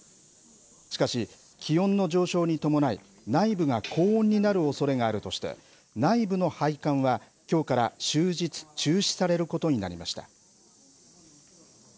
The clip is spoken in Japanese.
しかし、気温の上昇に伴い、内部が高温になるおそれがあるとして、内部の拝観はきょうから終日中止されることになりました。